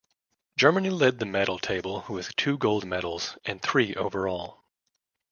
Germany led the medal table with two gold medals, and three overall.